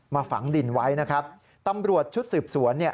ฝังดินไว้นะครับตำรวจชุดสืบสวนเนี่ย